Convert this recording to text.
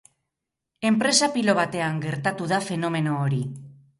Enpresa pilo batean gertatu da fenomeno hori.